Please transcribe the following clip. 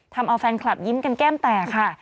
ทำเอาแฟนคลับยิ้มกันแก้มแตกค่ะ